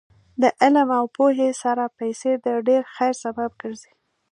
د علم او پوهې سره پیسې د ډېر خیر سبب ګرځي.